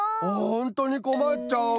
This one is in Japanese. ほんとにこまっちゃう！